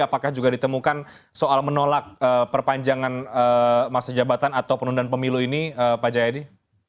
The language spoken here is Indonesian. apakah juga ditemukan soal menolak perpanjangan masa jabatan atau penundaan pemilu ini pak jayadi